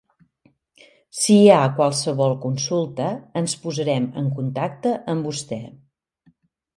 Si hi ha qualsevol consulta ens posarem en contacte amb vostè.